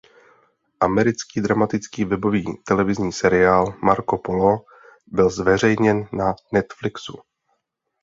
Americký dramatický webový televizní seriál "Marco Polo" byl zveřejněn na Netflixu.